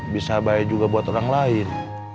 bisa baik juga buat orang lain